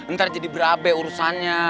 ntar jadi berabe urusannya